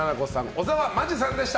小沢真珠さんでした。